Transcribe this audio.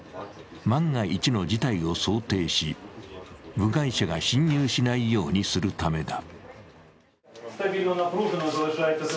万が一の事態を想定し、部外者が侵入しないようにするためだ。